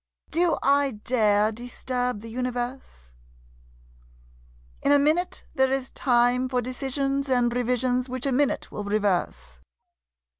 Do I dare Disturb the universe? In a minute there is time For decisions and revisions which a minute will reverse.